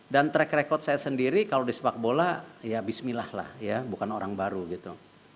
track record saya sendiri kalau di sepak bola ya bismillah lah ya bukan orang baru gitu